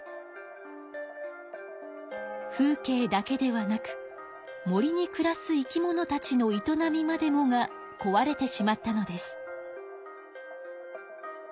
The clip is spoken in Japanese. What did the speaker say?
風景だけではなく森にくらす生き物たちの営みまでもが壊れてしまったのです。